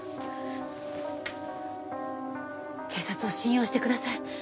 警察を信用してください。